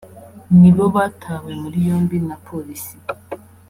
nibo batawe muri yombi na Polisi